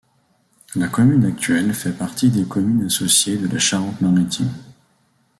La commune actuelle fait partie des communes associées de la Charente-Maritime.